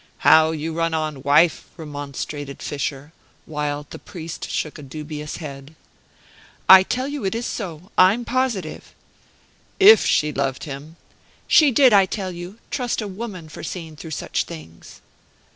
"How you run on, wife!" remonstrated Fischer; while the priest shook a dubious head. "I tell you it is so. I'm positive." "If she loved him." "She did, I tell you. Trust a woman for seeing through such things."